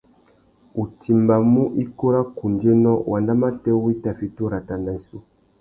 U timbamú ikú râ kundzénô ! wanda matê wu i tà fiti urrata na issú.